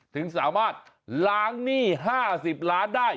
ถึงสามารถล้างหนี้๕๐ล้านได้